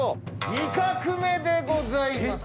２画目でございます。